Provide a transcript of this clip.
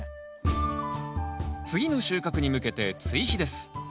次の収穫に向けて追肥です。